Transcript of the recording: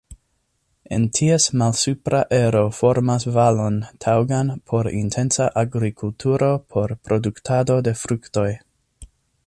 En ties malsupra ero formas valon taŭgan por intensa agrikulturo por produktado de fruktoj.